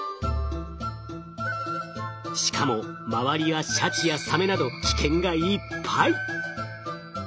しかも周りはシャチやサメなど危険がいっぱい！